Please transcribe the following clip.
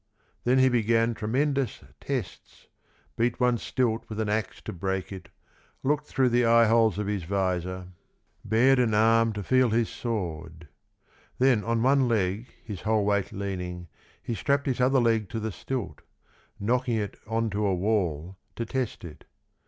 Then he began tremendous tests, beat one stilt with an axe to break it, looked through the eyeholes of his visor, 29 bared an arm to feel his sword. Then on one leg his whole weight leaning he strapped his other leg to the stilt, knocking it on to a wall to test it.